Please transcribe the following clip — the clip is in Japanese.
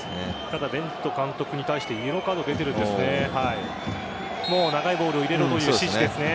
ただ、ベント監督に対してイエローカード出ているんですね。